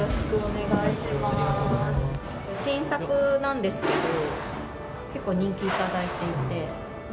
新作なんですけど結構人気をいただいていて。